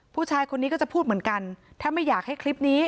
ผู้ชายคนนี้ก็จะพูดเหมือนกันถ้าไม่อยากให้คลิปนี้